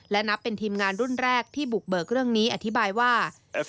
และนับเป็นทีมงานรุ่นแรกที่บุกเบิกเรื่องนี้อธิบายว่า